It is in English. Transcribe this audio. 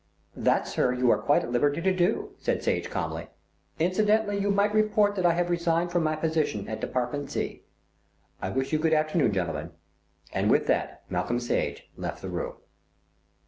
"That, sir, you are quite at liberty to do," said Sage calmly. "Incidentally you might report that I have resigned from my position at Department Z. I wish you good afternoon, gentlemen," and with that Malcolm Sage left the room.